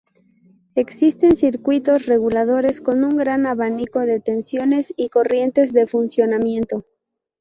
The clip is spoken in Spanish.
Existen circuitos reguladores con un gran abanico de tensiones y corrientes de funcionamiento.